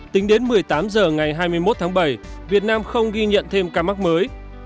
tính đến một mươi tám h ngày hai mươi một tháng bảy việt nam không ghi nhận thêm ca mắc mới